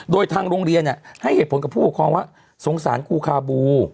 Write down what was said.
โดยทางโรงเรียนให้เหตุผลกับผู้ปกครองว่าสงสารครูคาบู